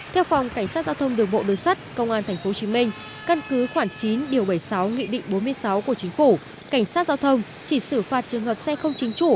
theo phòng cảnh sát giao thông đường bộ đường sắt công an tp hcm căn cứ khoảng chín điều bảy mươi sáu nghị định bốn mươi sáu của chính phủ cảnh sát giao thông chỉ xử phạt trường hợp xe không chính chủ